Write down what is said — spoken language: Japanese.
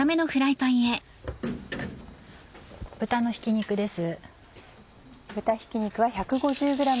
豚のひき肉です。